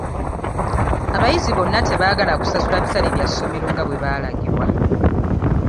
Abayizi bonna tebaagala kusasula bisale bya ssomero nga bwe baalagirwa.